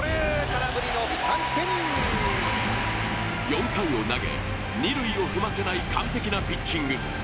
４回を投げ、二塁を踏ませない完璧なピッチング。